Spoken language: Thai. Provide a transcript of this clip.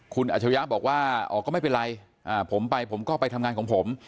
คุณอัชริยะบอกว่าอ๋อก็ไม่เป็นไรผมไปผมก็ไปทำงานของผม